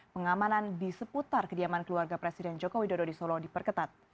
pengamanan di seputar kediaman keluarga presiden joko widodo di solo diperketat